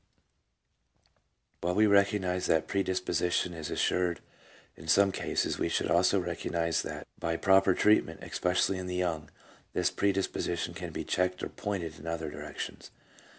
1 While we recognize that predisposition is assured in some cases, we should also recognize that by proper treatment, especially in the young, this predisposition can be checked or pointed in other directions.